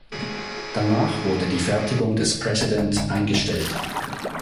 Danach wurde die Fertigung des President eingestellt.